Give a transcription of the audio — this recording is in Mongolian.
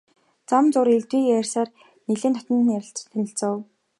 Зам зуур элдвийг ярилцсаар нэлээд дотно танилцав.